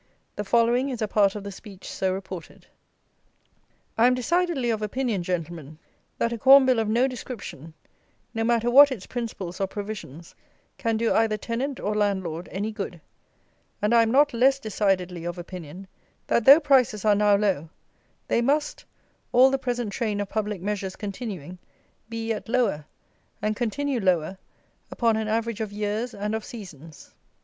The following is a part of the speech so reported: "I am decidedly of opinion, Gentlemen, that a Corn Bill of no description, no matter what its principles or provisions, can do either tenant or landlord any good; and I am not less decidedly of opinion, that though prices are now low, they must, all the present train of public measures continuing, be yet lower, and continue lower upon an average of years and of seasons.